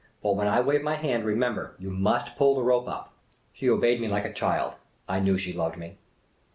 But when I wave my hand, remember, you must pull the rope up." She obeyed me like a child. I knew she loved me.